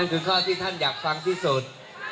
คือข้อที่ท่านอยากฟังที่สุด